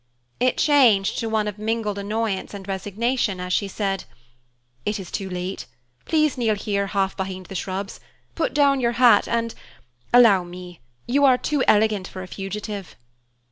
It changed to one of mingled annoyance and resignation as she said, "It is too late. Please kneel here, half behind the shrubs; put down your hat, and allow me you are too elegant for a fugitive."